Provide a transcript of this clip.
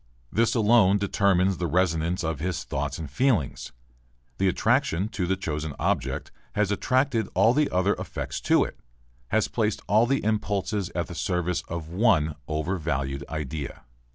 This alone determines the resonance of his thoughts and feelings. The attraction to the chosen object has attracted all the other affects to it, has placed all the impulses at the service of one overvalued idea.